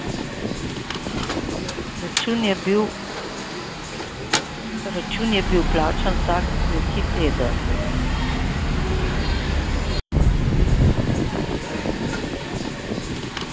Račun je bil plačan vsak tretji teden.